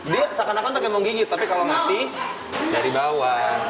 dia seakan akan takut mau gigit tapi kalau ngasih dari bawah